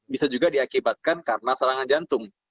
bisa juga diakibatkan karena serangan jantung